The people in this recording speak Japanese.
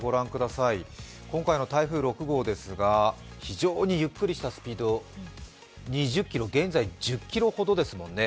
今回の台風６号ですが、非常にゆっくりしたスピード現在、１０キロほどですもんね。